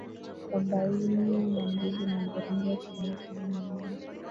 Arobaini na mbili na Burundi asilimia sabini na nane.